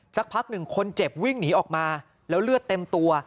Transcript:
สักพักหนึ่งคนเจ็บวิ่งหนีออกมาแล้วเลือดเต็มตัว